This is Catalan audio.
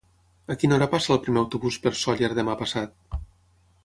A quina hora passa el primer autobús per Sóller demà passat?